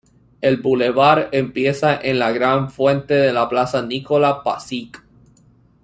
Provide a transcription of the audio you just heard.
El Bulevar empieza en la gran fuente de la Plaza Nikola Pašić.